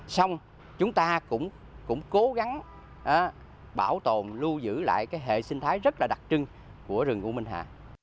xong chúng ta cũng cố gắng bảo tồn lưu giữ lại cái hệ sinh thái rất là đặc trưng của rừng u minh hạ